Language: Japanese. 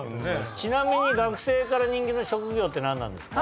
ちなみに学生から人気の職業って何なんですか？